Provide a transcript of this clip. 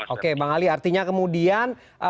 oke bang ali artinya kemudian